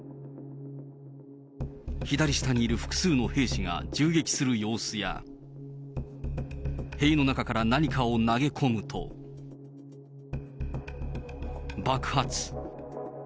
左下にいる複数の兵士が銃撃する様子や、塀の中から何かを投げ込むと、爆発。